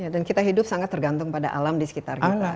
dan kita hidup sangat tergantung pada alam di sekitar kita